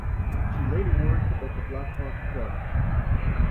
She later worked at the Blackhawk Club.